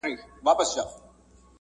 اټومې وسلي ازموینه کوله